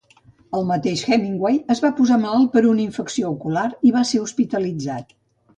El mateix Hemingway es va posar malalt per una infecció ocular i va ser hospitalitzat.